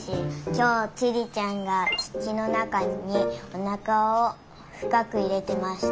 きょうちりちゃんがつちのなかにおなかをふかくいれてました。